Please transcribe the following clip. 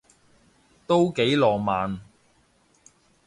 都幾浪漫